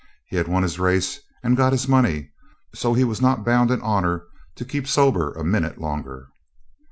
He had won his race and got his money, so he was not bound in honour to keep sober a minute longer.